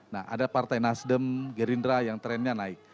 nah ada partai nasdem gerindra yang trennya naik